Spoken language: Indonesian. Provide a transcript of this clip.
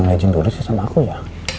kenapa gak pergi tulis ya sama aku ya